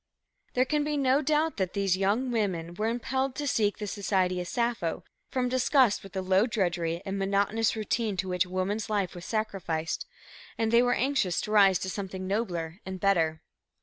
"There can be no doubt that these young women were impelled to seek the society of Sappho from disgust with the low drudgery and monotonous routine to which woman's life was sacrificed, and they were anxious to rise to something nobler and better."